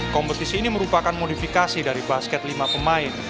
kompetisi ini merupakan modifikasi dari basket lima pemain